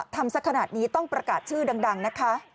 สักขนาดนี้ต้องประกาศชื่อดังนะคะ